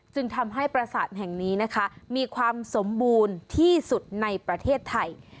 จึงทำให้ประสาทแห่งนี้นะคะมีความสมบูรณ์ที่สุดในประเทศไทย